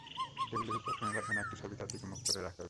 টেবিলের ওপর ফ্রেমে বাঁধানো একটি ছবি তার দিকে মুখ করে রাখা আছে।